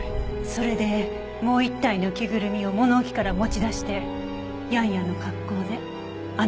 それでもう１体の着ぐるみを物置から持ち出してヤンヤンの格好であの場所に行ったんですね。